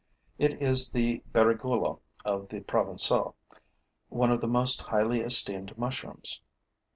It is the berigoulo of the Provencaux, one of the most highly esteemed mushrooms.